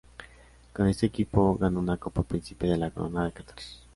Con este equipo, ganó una Copa Príncipe de la Corona de Catar.